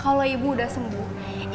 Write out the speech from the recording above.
kalau ibu udah sembuh